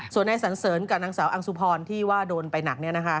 ส่วนนายสันเสริญกับนางสาวอังสุพรที่ว่าโดนไปหนัก